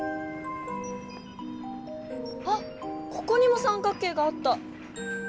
あここにも三角形があった！